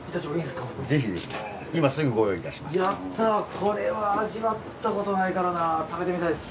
これは味わったことないからな食べてみたいです。